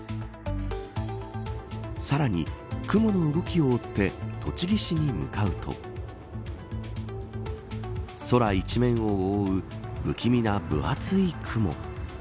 さらに雲の動きを追って栃木市に向かうと空一面を覆う不気味な分厚い雲。